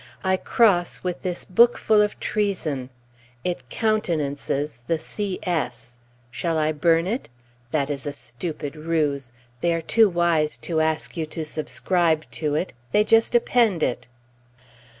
I cross with this book full of treason. It "countenances" the C.S.; shall I burn it? That is a stupid ruse; they are too wise to ask you to subscribe to it, they just append it.